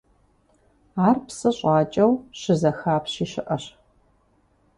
Ар псы щӀакӀэу щызэхапщи щыӀэщ.